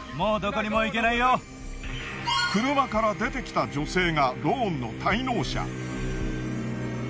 車から出てきた女性がローンの滞納者。